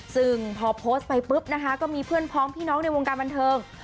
ซึ่งพอโพสต์ไปปุ๊บนะคะก็มีเพื่อนพ้องพี่น้องในวงการบันเทิง